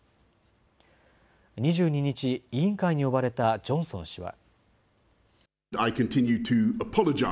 ２２日、委員会に呼ばれたジョンソン氏は。